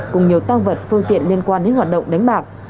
cùng nhiều tăng vật phương tiện liên quan đến hoạt động đánh bạc